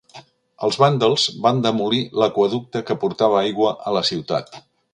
Els vàndals van demolir l'aqüeducte que portava aigua a la ciutat.